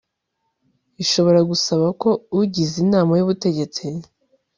ishobora gusaba ko ugize inama y ubutegetsi